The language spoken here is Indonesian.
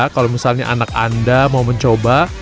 kalau misalnya anak anda mau mencoba